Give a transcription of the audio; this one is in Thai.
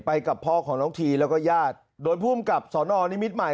กับพ่อของน้องทีแล้วก็ญาติโดนภูมิกับสนนิมิตรใหม่